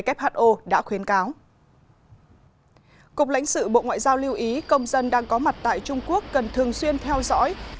cục lãnh sự bộ ngoại giao lưu ý công dân đang có mặt tại trung quốc cần thường xuyên theo dõi